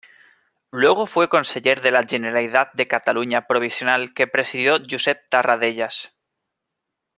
Luego fue conseller de la Generalidad de Cataluña provisional que presidió Josep Tarradellas.